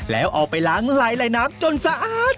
แล้วเอาไปล้างไหล่น้ำจนสะอาด